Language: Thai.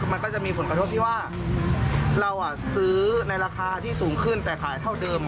มันก็จะมีผลกระทบที่ว่าเราซื้อในราคาที่สูงขึ้นแต่ขายเท่าเดิม